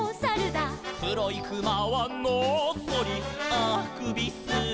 「くろいくまはノッソリあくびする」